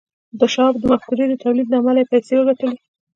چې د شواب د مفکورې د توليد له امله يې پيسې وګټلې.